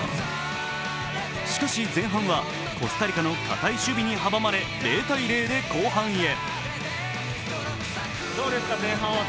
しかし、前半はコスタリカの堅い守備に阻まれ、０−０で後半へ。